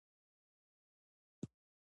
بادام د افغانستان د اقلیمي نظام ښکارندوی ده.